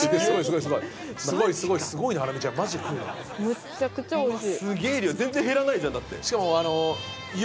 めちゃくちゃおいしい。